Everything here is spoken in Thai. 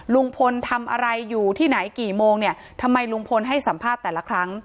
ลุงพลทำอะไรอยู่ที่ไหนกี่โมงเนี่ยทำไมลุงพลให้สัมภาษณ์แต่ละครั้ง